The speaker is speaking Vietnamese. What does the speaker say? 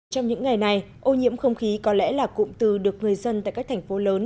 trong những ngày này ô nhiễm không khí có lẽ là cụm từ được người dân tại các thành phố lớn